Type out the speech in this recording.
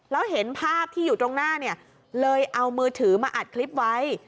แล้วเห็นภาพที่อยู่ตรงหน้าเนี่ยเลยเอามือถือมาอัดคลิปไว้